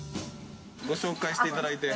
ご紹介していただいて。